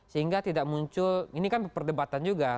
sehingga tidak muncul ini kan perdebatan juga